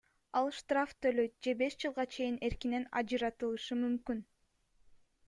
Ал штраф төлөйт же беш жылга чейин эркинен ажыратылышы мүмкүн.